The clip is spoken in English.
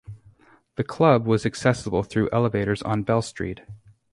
The club was accessible through elevators on Bell Street.